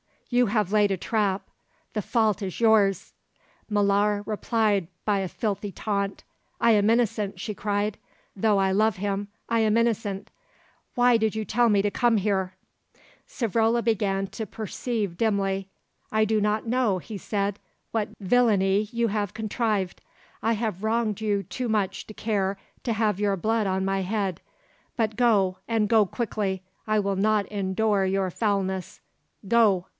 You have laid a trap; the fault is yours!" Molara replied by a filthy taunt. "I am innocent," she cried; "though I love him, I am innocent! Why did you tell me to come here?" Savrola began to perceive dimly. "I do not know," he said, "what villainy you have contrived. I have wronged you too much to care to have your blood on my head; but go, and go quickly; I will not endure your foulness. Go!"